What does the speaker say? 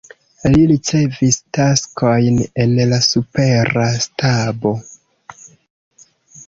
Li ricevis taskojn en la supera stabo.